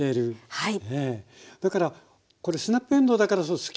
はい。